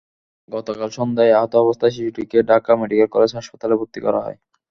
গতকাল সন্ধ্যায় আহত অবস্থায় শিশুটিকে ঢাকা মেডিকেল কলেজ হাসপাতালে ভর্তি করা হয়।